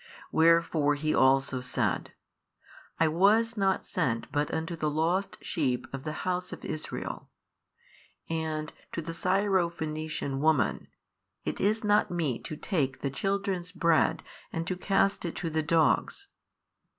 Wherefore He also said, I was not sent but unto the lost sheep of the house of Israel, and to the Syro phenician woman, It is not meet to take, the children's bread and to cast it to the dogs.